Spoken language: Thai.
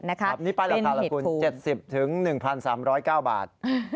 เป็นเหตุภูมิเป็นเหตุภูมินะครับนี่ราคาละกุล๗๐ถึง๑๓๐๙บาท